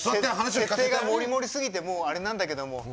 設定が盛り盛りすぎてもうあれなんだけども。